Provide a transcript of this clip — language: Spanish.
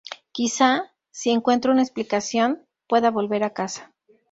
Quizá, si encuentro una explicación, pueda volver a casa"".